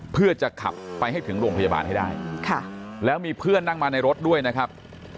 เพื่อจะขับไปให้ถึงโรงพยาบาลให้ได้แล้วมีเพื่อนนั่งมาในรถด้วยนะครับ